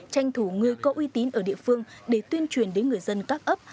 tranh thủ người có uy tín ở địa phương để tuyên truyền đến người dân các ấp